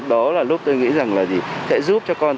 đó là lúc tôi nghĩ rằng là sẽ giúp cho con